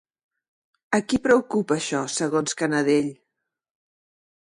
A qui preocupa això segons Canadell?